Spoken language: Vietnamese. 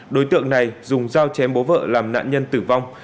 đối tượng này dùng dao chém bố vợ làm nạn nhân tử vong